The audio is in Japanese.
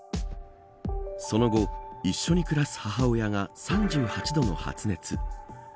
その後、一緒に暮らす母親が３８度の発熱。